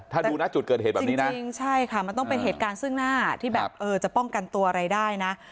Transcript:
ถ้าดูนะจุดเกิดเหตุแบบนี้นะจริงใช่ค่ะมันต้องเป็นเหตุการณ์ซึ่งหน้าที่แบบเออจะป้องกันตัวอะไรได้นะ